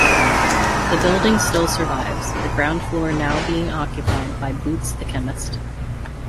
The building still survives, the ground floor now being occupied by Boots the Chemist.